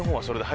そう。